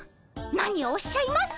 何をおっしゃいます！